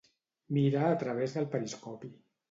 Mira a través del periscopi.